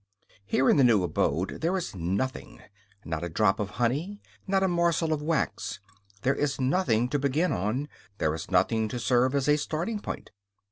Here, in the new abode, there is nothing; not a drop of honey, not a morsel of wax; there is nothing to begin on, there is nothing to serve as a starting point.